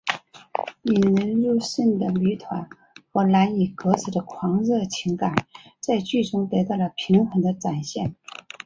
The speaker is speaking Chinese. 引人入胜的谜团和难以割舍的狂热情感在剧中得到了平衡的展现。